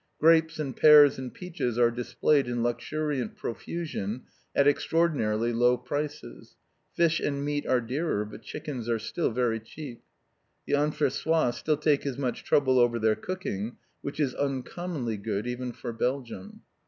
Grapes and pears and peaches are displayed in luxuriant profusion, at extraordinarily low prices. Fish and meat are dearer, but chickens are still very cheap. The "Anversois" still take as much trouble over their cooking, which is uncommonly good, even for Belgium.